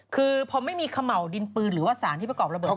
คือพอไม่มีเขม่าวดินปืนหรือว่าสารที่ประกอบระเบิด